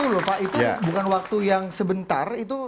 dua ribu dua puluh satu loh pak itu bukan waktu yang sebentar